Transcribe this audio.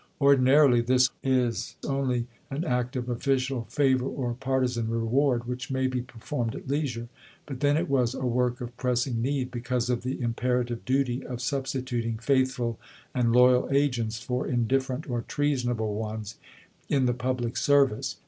Ordinarily this is only an act of official favor or partisan reward, which may be performed at leisure ; but then it was a work of pressing need, because of the imperative duty of substituting faithful and loyal agents for indiffer ent or treasonable ones in the public service.